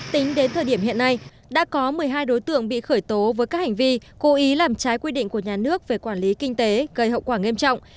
tính đến thời điểm hiện nay đã có một mươi hai đối tượng bị khởi tố với các hành vi cố ý làm trái quy định của nhà nước về quản lý kinh tế gây hậu quả nghiêm trọng